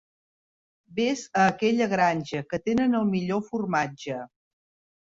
Ves a aquella granja, que tenen el millor formatge.